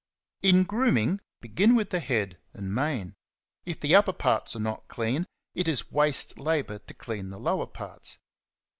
In grooming, begin with the head and mane ; if the upper parts are not clean, it is waste labour to clean the lower parts.